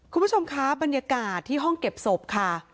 คุณผู้ชมคะบรรยากาศที่ห้องเก็บศพค่ะ